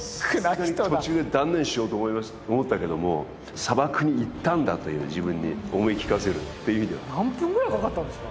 さすがに途中で断念しようと思ったけども砂漠に行ったんだという自分に思い聞かせるって意味では何分ぐらいかかったんですか？